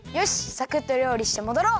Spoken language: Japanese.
サクッとりょうりしてもどろう！